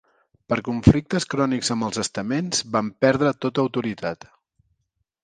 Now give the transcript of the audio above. Per conflictes crònics amb els estaments van perdre tota autoritat.